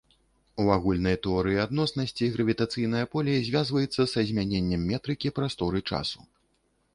У агульнай тэорыі адноснасці гравітацыйнае поле звязваецца са змяненнем метрыкі прасторы-часу.